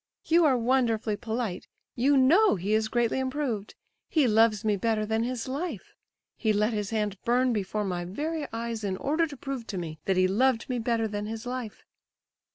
"You are wonderfully polite. You know he is greatly improved. He loves me better than his life. He let his hand burn before my very eyes in order to prove to me that he loved me better than his life!"